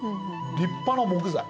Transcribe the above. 立派な木材。